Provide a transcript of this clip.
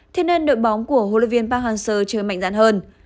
thế nên đội bóng của hỗ lợi viên park han seo chơi mạnh dạn hơn